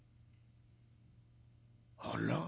「あら？